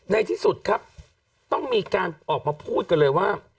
ในที่สุดครับต้องมีการออกมาพูดกันเลยว่า